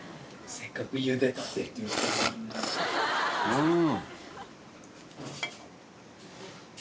うん。